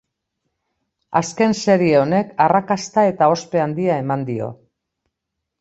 Azken serie honek arrakasta eta ospe handia eman dio.